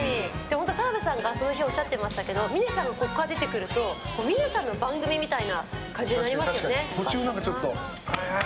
本当は澤部さんがその日おっしゃってましたけど峰さんがここから出てくると峰さんの番組みたいな途中、何か、ちょっとはいはい！